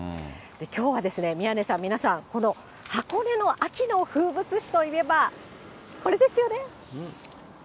きょうはですね、宮根さん、皆さん、この箱根の秋の風物詩といえば、これですよね。